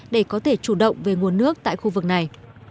để có thể chủ động về nguồn nước tại khu vực này